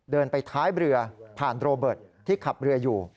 เดินไปท้ายเรือผ่านโรเบิร์ตที่ขับเรืออยู่